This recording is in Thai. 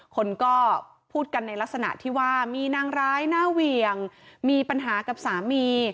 คนก็พูดกันในลักษณะที่ว่ามีนางร้ายหน้าเหวี่ยงมีปัญหากับสามี